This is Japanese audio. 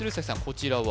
こちらは？